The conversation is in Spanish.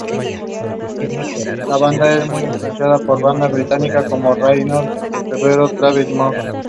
Más tarde, dos de los heridos fallecieron.